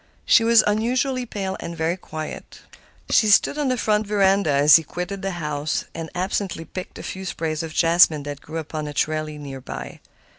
She was unusually pale and very quiet. She stood on the front veranda as he quitted the house, and absently picked a few sprays of jessamine that grew upon a trellis near by.